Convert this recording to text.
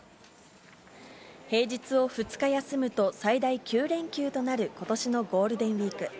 平日を２日休むと最大９連休となることしのゴールデンウィーク。